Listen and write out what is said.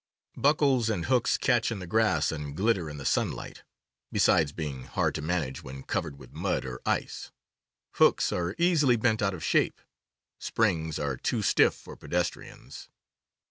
Buckles and hooks catch in the grass and glitter in the sunlight, besides being 16 CAMPING AND WOODCRAFT hard to manage when covered with mud or ice; hooks are easily bent out of shape; springs are too stiff for pedestrians.